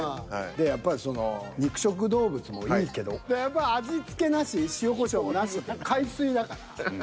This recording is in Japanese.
でやっぱりその肉食動物もいいけどやっぱ味付けなし塩こしょうもなしで海水だから。